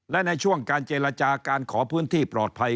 และในช่วงการเจรจาการขอพื้นที่ปลอดภัย